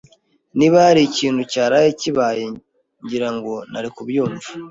Niba hari ikintu cyaraye kibaye, ngira ngo nari kubyumva.